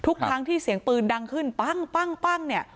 ทุกครั้งที่เสียงปืนดังขึ้นปั้งเนี่ย